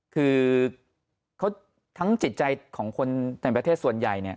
คือเขาทั้งจิตใจของคนต่างประเทศส่วนใหญ่เนี่ย